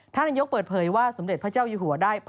นายกเปิดเผยว่าสมเด็จพระเจ้าอยู่หัวได้